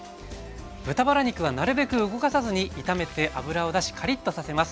豚バラ肉はなるべく動かさずに炒めて脂を出しカリッとさせます。